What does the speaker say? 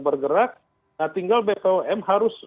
bergerak nah tinggal bpom